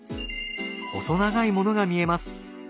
細長いものが見えます。